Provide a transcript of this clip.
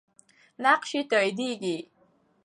نقش یې تاییدیږي.